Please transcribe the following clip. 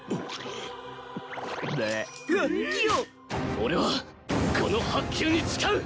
俺はこの白球に誓う！